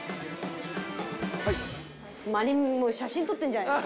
写真撮ってんじゃないっすか。